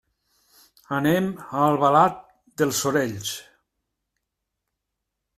Anem a Albalat dels Sorells.